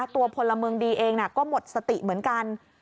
ตัวพลเมืองดีเองก็หมดสติเหมือนกัน